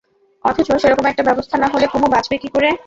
অথচ সেরকম একটা ব্যবস্থা না হলে কুমু বাঁচবে কী করে?